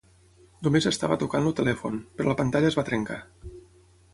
Només estava tocant el telèfon, però la pantalla es va trencar.